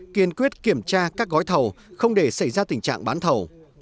kiên quyết kiểm tra các gói thầu không để xảy ra tình trạng bán thầu